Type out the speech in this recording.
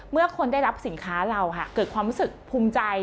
เมื่อคนได้รับสินค้าเราค่ะเกิดความรู้สึกภูมิใจ